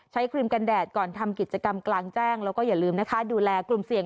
ครีมกันแดดก่อนทำกิจกรรมกลางแจ้งแล้วก็อย่าลืมนะคะดูแลกลุ่มเสี่ยง